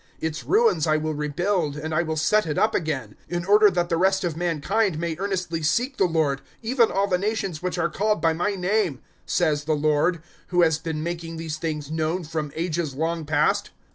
Its ruins I will rebuild, and I will set it up again; 015:017 In order that the rest of mankind may earnestly seek the Lord even all the nations which are called by My name," 015:018 Says the Lord, who has been making these things known from ages long past.'